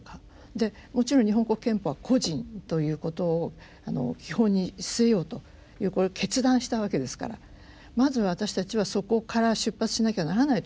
でもちろん日本国憲法は個人ということを基本に据えようというこれ決断したわけですからまず私たちはそこから出発しなきゃならないと思います。